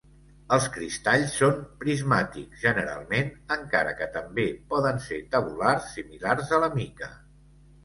Els cristalls són prismàtics generalment, encara que també poden ser tabulars, similars a la mica.